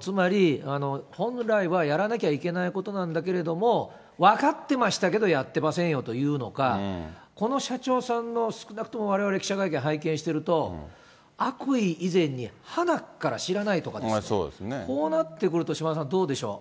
つまり、本来はやらなきゃいけないことなんだけれども、分かってましたけどやってませんよというのか、この社長さんの、少なくともわれわれ、記者会見拝見してると、悪意以前に、はなっから知らないとかですね、こうなってくると、島田さん、どうでしょう？